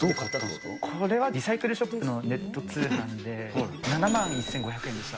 これはリサイクルショップのネット通販で、７万１５００円でした。